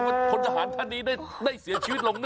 พ่อแม่เขายังไงว่าพนธนธนิยาได้เสียชีวิตลง